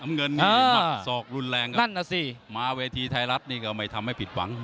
น้ำเงินนี่ภาพสองรุนแรงครับมาเวทีไทยรัฐนี่ก็ไม่ทำให้ผิดหวัง